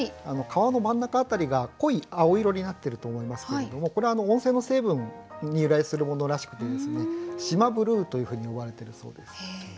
川の真ん中辺りが濃い青色になってると思いますけれどもこれは温泉の成分に由来するものらしくて四万ブルーというふうに呼ばれてるそうです。